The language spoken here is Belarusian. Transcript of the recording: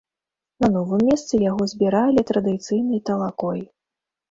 На новым месцы яго збіралі традыцыйнай талакой.